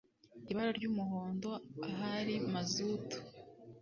Ibara ry umuhondo ahari Mazutu